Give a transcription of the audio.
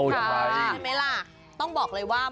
ใช่ไหมล่ะต้องบอกเลยว่า